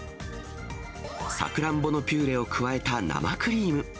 さくらんぼのピューレを加えた生クリーム。